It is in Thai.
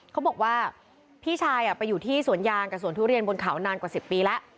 เขาบอกว่าพี่ชายไปอยู่ที่สวนยางกับสวนทุเรียนบนเขานานกว่า๑๐ปีแล้ว